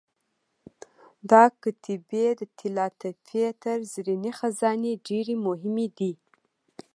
دا کتیبې د طلاتپې تر زرینې خزانې ډېرې مهمې دي.